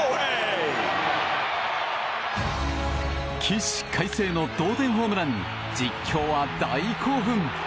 起死回生の同点ホームランに実況は大興奮！